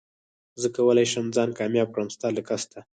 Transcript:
زه کولي شم ځان کامياب کړم ستا له قصده